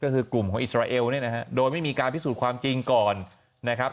ก็คือกลุ่มของอิสราเอลเนี่ยนะฮะโดยไม่มีการพิสูจน์ความจริงก่อนนะครับ